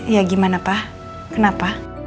ya gimana pak kenapa